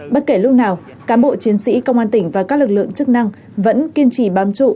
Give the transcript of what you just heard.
bất kể lúc nào cán bộ chiến sĩ công an tỉnh và các lực lượng chức năng vẫn kiên trì bám trụ